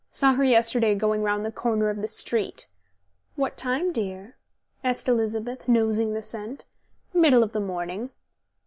Saw her yesterday going round the corner of the street." "What time, dear?" asked Elizabeth, nosing the scent. "Middle of the morning."